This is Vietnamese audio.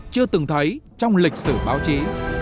chưa từng thấy trong lịch sử báo chí